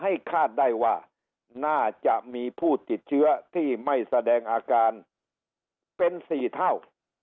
คาดได้ว่าน่าจะมีผู้ติดเชื้อที่ไม่แสดงอาการเป็น๔เท่า